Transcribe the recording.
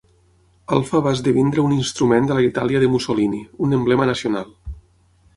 Alfa va esdevenir un instrument de la Itàlia de Mussolini, un emblema nacional.